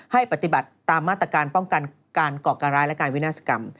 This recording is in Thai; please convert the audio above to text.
ให้ปฏิบัติตามมาตรการป้องกันการก่อการร้ายและการวินาศกรรม